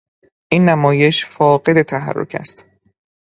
این نمایش فاقد تحرک است.